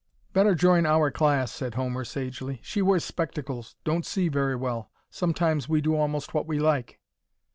"Better join our class," said Homer, sagely. "She wears spectacles; don't see very well. Sometimes we do almost what we like."